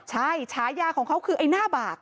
ใช่ฉายาของเขาคือไอ้หน้าบาก